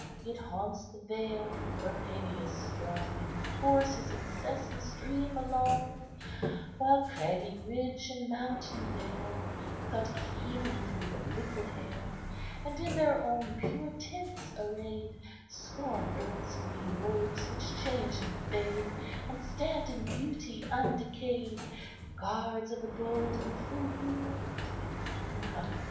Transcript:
It haunts the vale where Peneus strong Pours his incessant stream along, While craggy ridge and mountain bare Cut keenly through the liquid air, And, in their own pure tints arrayed, Scorn earth's green robes which change and fade, And stand in beauty undecayed, Guards of the bold and free."